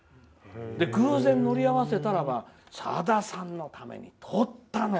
偶然、乗り合わせたらばさださんのために撮ったの。